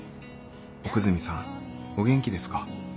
奥泉さんお元気ですか？